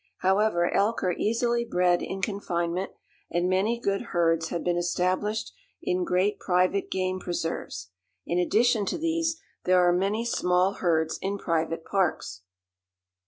However, elk are easily bred in confinement, and many good herds have been established in great private game preserves. In addition to these, there are many small herds in private parks.